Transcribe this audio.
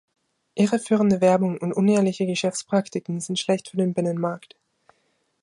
Irreführende Werbung und unehrliche Geschäftspraktiken sind schlecht für den Binnenmarkt.